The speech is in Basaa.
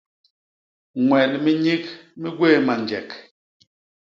Ñwel mi nyik mi gwéé manjek.